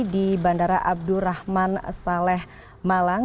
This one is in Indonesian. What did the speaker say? di bandara abdurrahman saleh malang